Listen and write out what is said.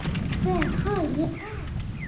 印度拟蕨藓为蕨藓科拟蕨藓属下的一个种。